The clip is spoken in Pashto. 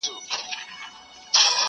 څه موده پس د قاضي معاش دوه چند سو.